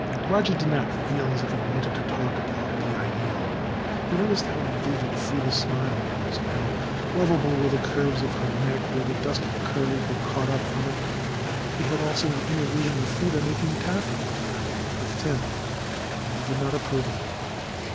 Roger did not feel as if he wanted to talk about the Ideal. He noticed how vivid Freda's smile was and how lovable were the curves of her neck where the dusky curls were caught up from it. He had also an inner vision of Freda making taffy with Tim and he did not approve of it.